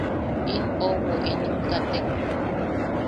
In ouwo inim katek.